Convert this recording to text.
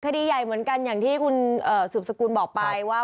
คดีใหญ่เหมือนกันอย่างที่คุณสืบสกุลบอกไปว่า